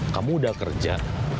kamu udah kerja